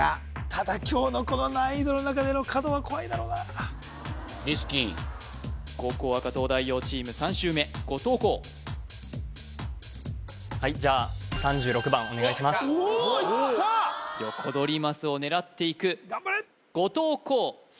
ただ今日のこの難易度の中での角は怖いだろうなリスキー後攻赤東大王チーム３周目後藤弘はいじゃあおおいったヨコドリマスを狙っていく頑張れ後藤弘